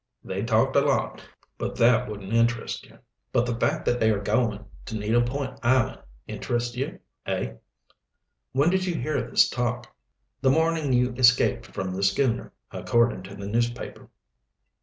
They talked a lot, but that wouldn't interest you. But the fact that they are goin' to Needle Point Island interests you, eh?" "When did you hear this talk?" "The morning you escaped from the schooner, accordin' to the newspaper."